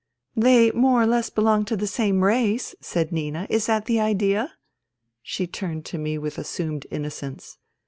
" They more or less belong to the same race," said Nina. " Is that the idea ?" She turned to me with assumed innocence.